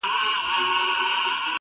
• زه به شمع غوندي ستا په لار کي بل سم -